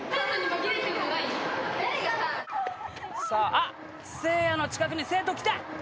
あっせいやの近くに生徒来た！